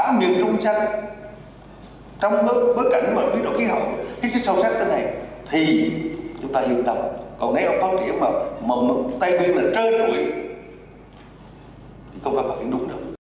còn nếu phát triển mà mở mức tây nguyên là trên người thì không có phát triển đúng đâu